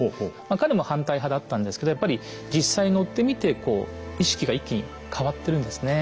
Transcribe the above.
彼も反対派だったんですけどやっぱり実際乗ってみてこう意識が一気に変わってるんですね。